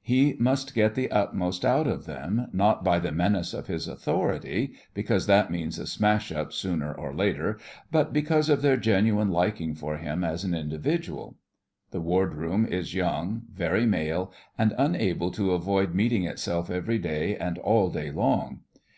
He must get the utmost out of them, not by the menace of his authority, because that means a smash up sooner or later, but because of their genuine liking for him as an individual. The Wardroom is young, very male, and unable to avoid meeting itself every day and all day long.